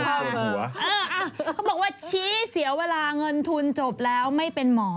เขาบอกว่าชี้เสียเวลาเงินทุนจบแล้วไม่เป็นหมอ